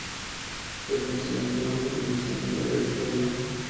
Perteneció a la antigua Jurisdicción del Valle de Torío.